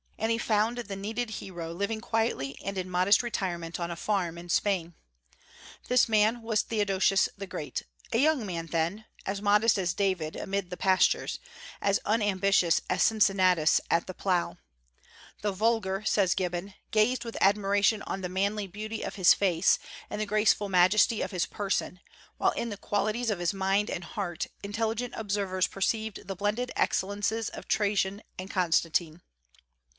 And he found the needed hero living quietly and in modest retirement on a farm in Spain. This man was Theodosius the Great, a young man then, as modest as David amid the pastures, as unambitious as Cincinnatus at the plough. "The vulgar," says Gibbon, "gazed with admiration on the manly beauty of his face and the graceful majesty of his person, while in the qualities of his mind and heart intelligent observers perceived the blended excellences of Trajan and Constantine."